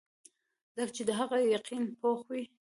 ځکه چې د هغه يقين پوخ وي -